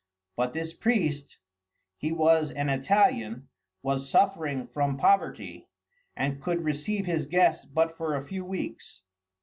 But this priest he was an Italian was suffering from poverty, and could receive his guest but for a few weeks.